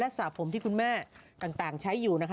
สระผมที่คุณแม่ต่างใช้อยู่นะคะ